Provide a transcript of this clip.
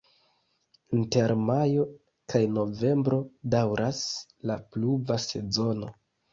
Inter majo kaj novembro daŭras la pluva sezono.